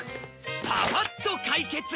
パパッと解決！